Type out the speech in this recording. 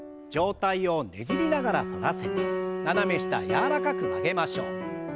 上体をねじりながら反らせて斜め下柔らかく曲げましょう。